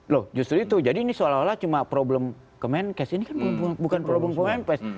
loh justru itu jadi ini seolah olah cuma problem kemenkes ini kan bukan problem kemenkes